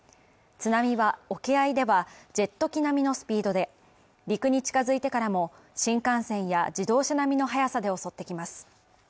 津波は沖合ではジェット機並みのスピードで陸に近づいてからも新幹線や自動車並みの速さで襲ってきます